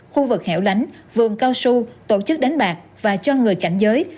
khu vực hẻo lánh vườn cao su tổ chức đánh bạc và cho người cảnh giới